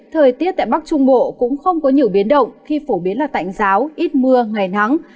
thời tiết tại bắc trung bộ cũng không có nhiều biến động khi phổ biến là tạnh giáo ít mưa ngày nắng